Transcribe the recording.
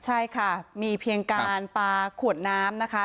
ใช่ค่ะมีเพียงการปลาขวดน้ำนะคะ